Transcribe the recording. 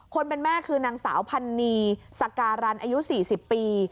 คนเป็นแม่คือนางสาวพันนีสการันอายุ๔๐ปี